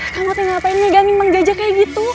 kamu ngerti ngapainnya ganyemang gajah kayak gitu